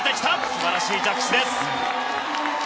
素晴らしい着地です！